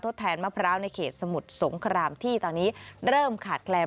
ดแทนมะพร้าวในเขตสมุทรสงครามที่ตอนนี้เริ่มขาดแคลน